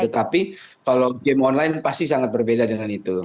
tapi kalau game online pasti sangat berbeda dengan itu